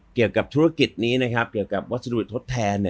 เกี่ยวกับธุรกิจนี้นะครับเกี่ยวกับวัสดุทดแทน